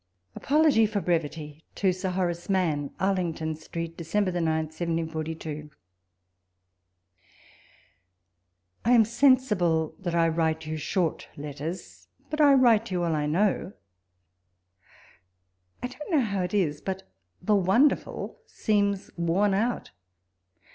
l V APOLOGY FOB BliEVITY. To Sir Horace Maxx. Arlington Street, Dec. 9, 1742. ... I AM sensible that I write you short letters, but I write you all I know. 1 don't know how it is, but ihe icondcrful seems worn out.